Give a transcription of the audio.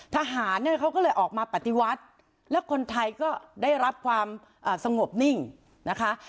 ทหารเนี่ยเขาก็เลยออกมาปฏิวัติแล้วคนไทยก็ได้รับความสงบนิ่งนะคะ